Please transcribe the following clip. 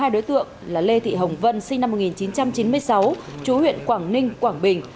hai đối tượng là lê thị hồng vân sinh năm một nghìn chín trăm chín mươi sáu chú huyện quảng ninh quảng bình